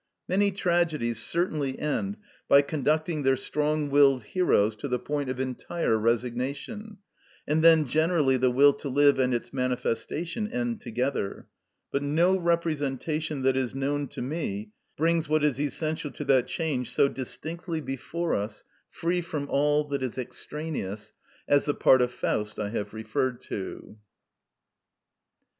Many tragedies certainly end by conducting their strong willed heroes to the point of entire resignation, and then generally the will to live and its manifestation end together, but no representation that is known to me brings what is essential to that change so distinctly before us, free from all that is extraneous, as the part of "Faust" I have referred to.